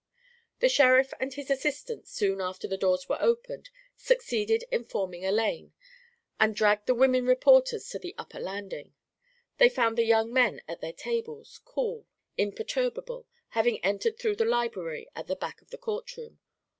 The sheriff and his assistants, soon after the doors were opened, succeeded in forming a lane, and dragged the women reporters to the upper landing. They found the young men at their tables, cool, imperturbable, having entered through the library at the back of the Court room.